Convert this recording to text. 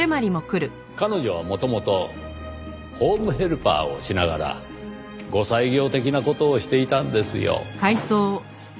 彼女は元々ホームヘルパーをしながら後妻業的な事をしていたんですよ。